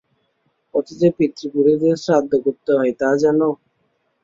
ওতে যে পিতৃপুরুষদের শ্রাদ্ধ করতে হয়, তা জান?